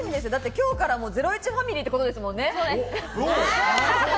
今日から『ゼロイチ』ファミリーってことですもんね。